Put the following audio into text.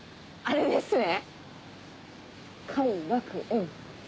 あれですね！